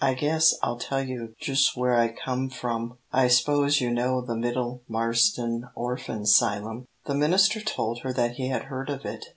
I guess I'll tell you jus' where I come from I s'pose you know the Middle Marsden Orphan 'Sylum?" The minister told her that he had heard of it.